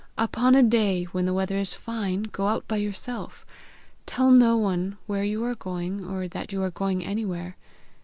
Upon a day when the weather is fine, go out by yourself. Tell no one where you are going, or that you are going anywhere.